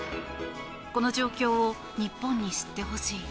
この状況を日本に知ってほしい。